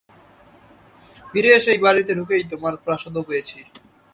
ফিরে এসে এই বাড়িতে ঢুকেই তোমার প্রসাদও পেয়েছি।